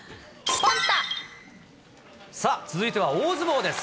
さあ、続いては大相撲です。